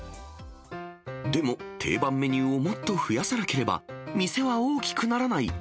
でも、定番メニューをもっと増やさなければ店は大きくならない。